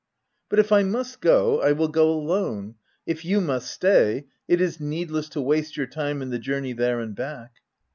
*'" But if I must go, I will go alone : if you must stay, it is needless to waste your time in the journey there and back."